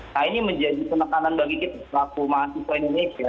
nah ini menjadi penekanan bagi kita pelaku mahasiswa indonesia